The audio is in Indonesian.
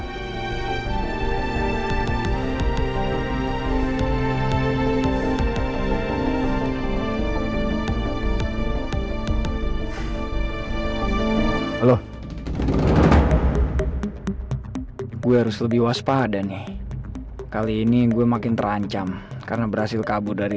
halo gue harus lebih waspada nih kali ini gue makin terancam karena berhasil kabur dari